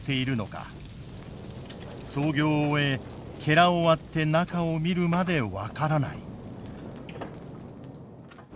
操業を終えを割って中を見るまで分からない。